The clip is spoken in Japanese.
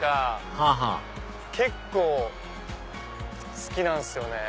はぁはぁ結構好きなんすよね。